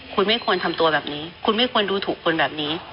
คุณไม่ควรทำตัวแบบนี้คุณไม่ควรดูถูกคนแบบนี้